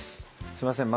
すいません